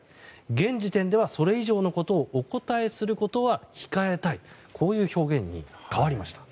現時点ではそれ以上のことをお答えすることは控えたいという表現に変わりました。